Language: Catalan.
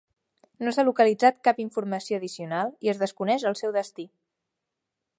No s'ha localitzat cap informació addicional i es desconeix el seu destí.